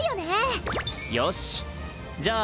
よしじゃあ